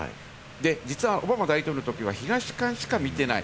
実はオバマ大統領のときは東館しか見ていない。